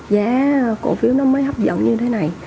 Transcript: giá cổ phiếu nó mới hấp dẫn như thế này